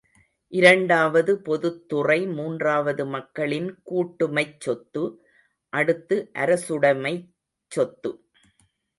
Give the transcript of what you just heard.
இரண்டாவது பொதுத்துறை மூன்றாவது மக்களின் கூட்டுடைமைச் சொத்து, அடுத்து அரசுடைமை ச் சொத்து.